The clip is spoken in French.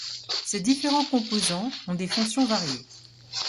Ces différents composants ont des fonctions variées.